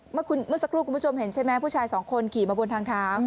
เมื่อสักครู่คุณผู้ชมเห็นใช่ไหมผู้ชายสองคนขี่มาบนทางเท้า